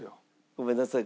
ごめんなさい。